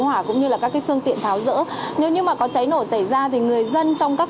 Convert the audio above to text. hỏa cũng như là các phương tiện tháo rỡ nếu như mà có cháy nổ xảy ra thì người dân trong các